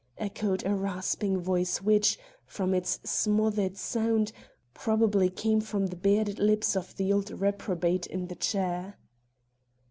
echoed a rasping voice which, from its smothered sound, probably came from the bearded lips of the old reprobate in the chair.